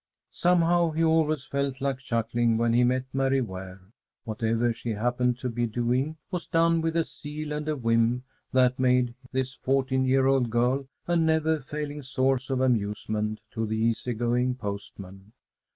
Somehow he always felt like chuckling when he met Mary Ware. Whatever she happened to be doing was done with a zeal and a vim that made this fourteen year old girl a never failing source of amusement to the easy going postman.